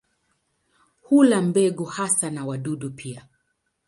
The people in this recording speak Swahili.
Hula mbegu hasa na wadudu pia.